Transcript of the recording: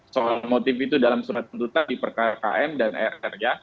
soal motif itu dalam surat tuntutan di perkakam dan er